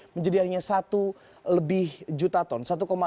menjadi hanya satu lebih juta ton